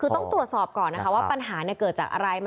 คือต้องตรวจสอบก่อนนะคะว่าปัญหาเกิดจากอะไร